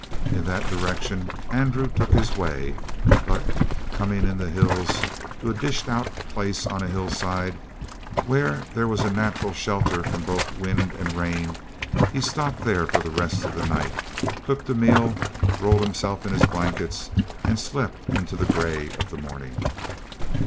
In that direction Andrew took his way, but, coming in the hills to a dished out place on a hillside, where there was a natural shelter from both wind and rain, he stopped there for the rest of the night, cooked a meal, rolled himself in his blankets, and slept into the gray of the morning.